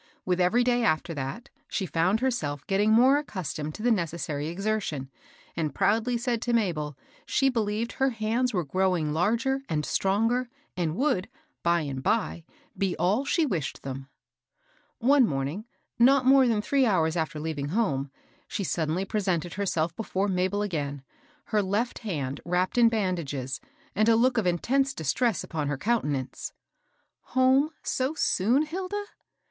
With every day after that, she found herself getting more accustomed to the necessary exertion, and proudly said to Mabel she behoved her hands were growing larger and stronger, and would, by and by, be all she wished them. One morning, not more than three hours after leaving home, she suddenly presented herself • before Mabel again, her left hand wrapped in bandages, and a look of intense distress upon her countenance. '^ Home so soon, Hilda ?